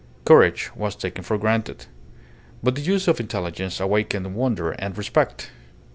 Courage was taken for granted. But the use of intelligence awakened wonder and respect.